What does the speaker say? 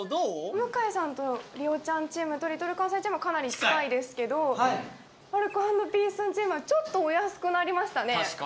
向井さんと莉桜ちゃんチームとＬｉｌかんさいチームはかなり近いですけどアルコ＆ピースさんチームはちょっとお安くなりましたね